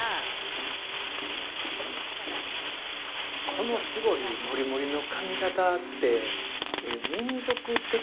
このすごい盛り盛りの髪形って民族的な髪形